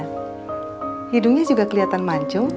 hidungnya juga kelihatan mancung